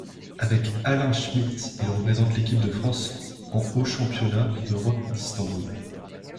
Avec Alain Schmitt, il représente l'équipe de France en aux championnats d'Europe d'Istanbul.